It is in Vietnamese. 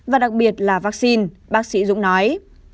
và đặc biệt là vaccine bác sĩ dũng nói